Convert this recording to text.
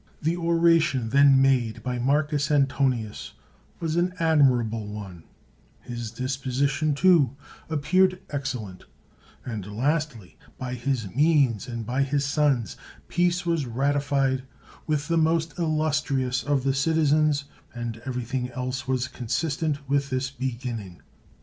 The oration then made by Marcus Antonius was an admirable one; his disposition, too, ap peared excellent ; and lastly, by his means and by his sons', peace was ratified with the most illus trious of the citizens and everything else was consistent with this beginning.